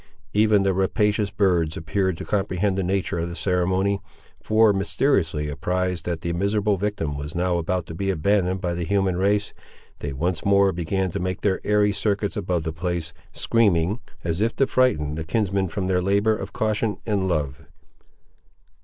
Even the rapacious birds appeared to comprehend the nature of the ceremony, for, mysteriously apprised that the miserable victim was now about to be abandoned by the human race, they once more began to make their airy circuits above the place, screaming, as if to frighten the kinsmen from their labour of caution and love.